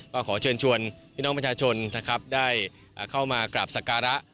ก็ขอเชิญชวนพี่น้องประชาชนนะครับได้เข้ามากราบสการะ